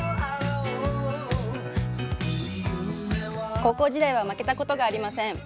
高校時代は負けたことがありません。